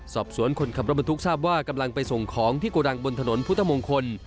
คนขับรถบรรทุกทราบว่ากำลังไปส่งของที่โกดังบนถนนพุทธมงคล